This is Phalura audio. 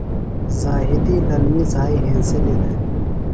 ذاہدی للمیۡ زھائی ہنسِلیۡ دےۡ۔